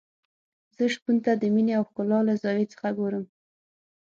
زه شپون ته د مينې او ښکلا له زاویې څخه ګورم.